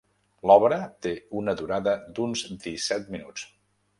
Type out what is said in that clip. L'obra té una durada d'uns disset minuts.